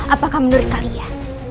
apakah menurut kalian